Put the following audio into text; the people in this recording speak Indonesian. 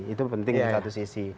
itu penting di satu sisi